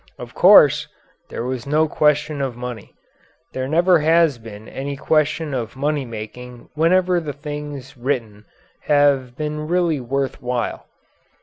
Of course, there was no question of money. There never has been any question of money making whenever the things written have been really worth while.